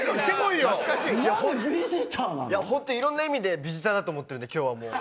いろんな意味でビジターだと思ってるんで今日はもう。